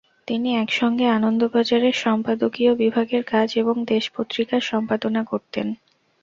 তিনি একসঙ্গে আনন্দবাজারের সম্পাদকীয় বিভাগের কাজ এবং 'দেশ' পত্রিকার সম্পাদনা করতেন।